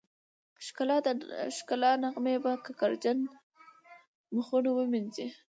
د ښکلا نغمې به کرکجن مخونه ومينځي